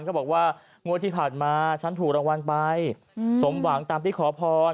ก็บอกว่างวดที่ผ่านมาฉันถูกรางวัลไปสมหวังตามที่ขอพร